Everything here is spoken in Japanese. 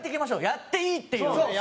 やっていいっていう。